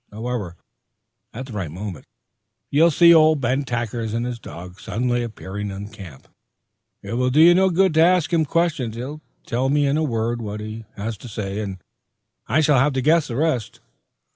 However, at the right moment, you'll see old Ben Tackers and his dogs suddenly appearing in camp. It will do you no good to ask him questions. He'll tell me in a word what he has to say, and I shall have to guess the rest."